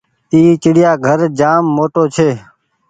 اي چڙيآ گهر جآم موٽو ڇي۔